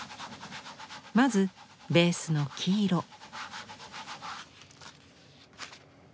まずベースの黄色。